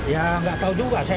ya nggak tahu juga